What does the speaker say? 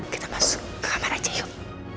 kita masuk ke kamar aja yuk